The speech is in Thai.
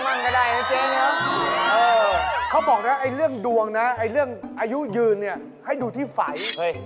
มันเป็นคำเกียบบนความหมาและเกียบเปย